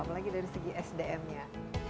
apalagi dari segi sdm nya